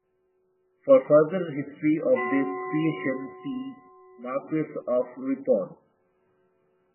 For further history of this creation, see Marquess of Ripon.